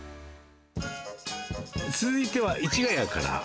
続いては市ケ谷から。